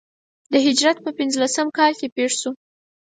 د هجرت په پنځه لسم کال کې پېښ شو.